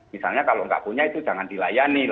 misalnya kalau nggak punya itu jangan dilayani